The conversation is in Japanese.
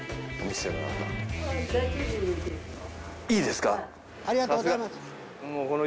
いいですか？